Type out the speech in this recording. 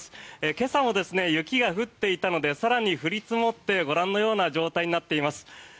今朝も雪が降っていたので更に降り積もってご覧のような状態になっています。